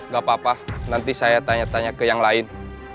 gak apa apa nanti saya tanya tanya ke yang lain